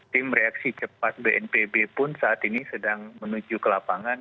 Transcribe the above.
tim reaksi cepat bnpb pun saat ini sedang menuju ke lapangan